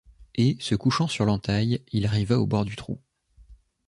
Et, se couchant sur l’entaille, il arriva au bord du trou.